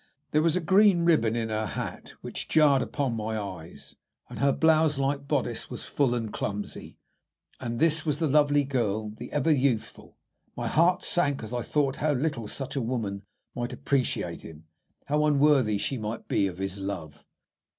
There was a green ribbon in her hat, which jarred upon my eyes, and her blouse like bodice was full and clumsy. And this was the lovely girl, the ever youthful! My heart sank as I thought how little such a woman might appreciate him, how unworthy she might be of his love.